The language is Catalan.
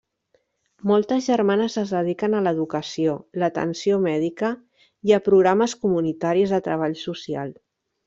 Moltes germanes es dediquen a l'educació, l'atenció mèdica i a programes comunitaris de treball social.